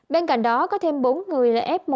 bên cạnh đó có thêm bốn người là f một